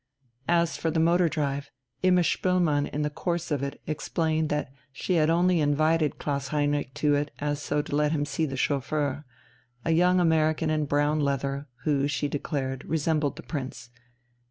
As for the motor drive, Imma Spoelmann in the course of it explained that she had only invited Klaus Heinrich to it so as to let him see the chauffeur, a young American in brown leather, who, she declared, resembled the Prince.